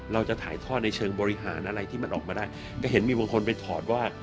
เราจะถ่ายทอดในเชิงบริหารอะไรที่มันออกมาได้ก็เห็นมีบางคนไปถอดว่า